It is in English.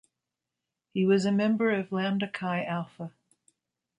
He was a Member of Lambda Chi Alpha.